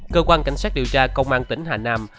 cơ quan cảnh sát điều tra công an tỉnh hà nam